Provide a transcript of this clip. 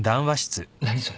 何それ。